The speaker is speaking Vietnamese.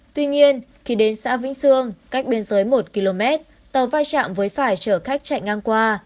tuy nhiên khi đến xã vĩnh sương cách biên giới một km tàu vai trạm với phải chở khách chạy ngang qua